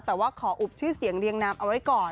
แต่ว่าขออุบชื่อเสียงเรียงนามเอาไว้ก่อน